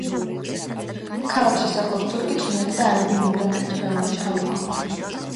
ქალაქში სახლობს თურქი, ჩინელი და არაბი იმიგრანტების მრავალი შთამომავალი.